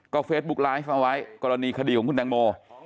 เฟซบุ๊กไลฟ์เอาไว้กรณีคดีของคุณแตงโม